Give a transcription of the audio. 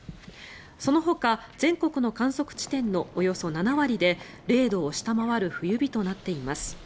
そのほか全国の観測地点のおよそ７割で０度を下回る冬日となっています。